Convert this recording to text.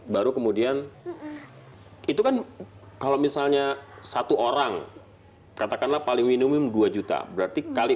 baru kemudian itu kan kalau misalnya satu orang katakanlah paling minimum dua juta berarti kali